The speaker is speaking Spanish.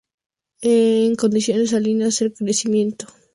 En "condiciones salinas, el crecimiento de la planta está restringido".